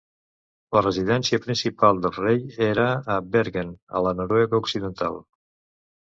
La residència principal del rei era a Bergen a la Noruega Occidental.